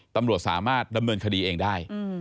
ตำรวจสามารถดำเนินคดีเองได้